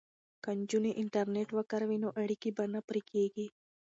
که نجونې انټرنیټ وکاروي نو اړیکې به نه پرې کیږي.